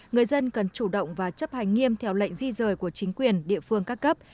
người dân cần chủ động và chấp hành nghiêm theo lệnh di rời của chính quyền địa phương các cấp